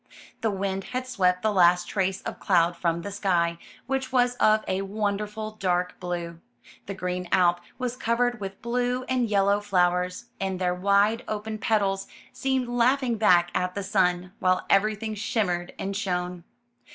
The wind had swept the last trace of cloud from the sky, which was of a wonderful dark blue. The green Alp was covered with blue and yellow flowers, and their wide open petals seemed laugh ing back at the sun, while everything shimmered and shone.